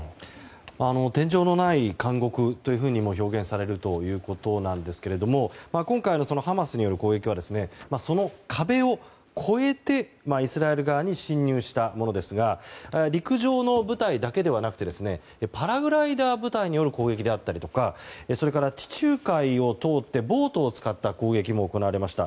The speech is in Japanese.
天井のない監獄というふうにも表現されるということですが今回、ハマスによる攻撃はその壁を越えてイスラエル側に侵入したものですが陸上の部隊だけではなくてパラグライダー部隊による攻撃であったりとかそれから地中海を通ってボートを使った攻撃も行われました。